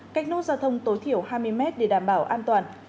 cách nút giao thông tối thiểu hai mươi mét để đảm bảo an toàn